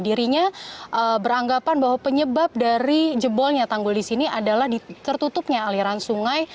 dirinya beranggapan bahwa penyebab dari jebolnya tanggul di sini adalah di tertutupnya aliran sungai